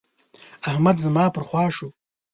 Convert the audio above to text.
احمد زما پر خوا شو.